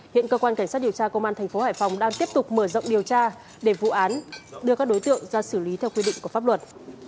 hiện cơ quan cảnh sát điều tra công an tp hải phòng đang tiếp tục mở rộng điều tra để vụ án đưa các đối tượng ra xử lý theo quy định của pháp luật